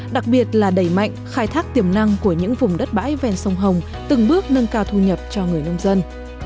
đặc biệt là đẩy mạnh khai thác tiềm năng của những vùng đất bãi ven sông hồng từng bước nâng cao thu nhập cho người nông dân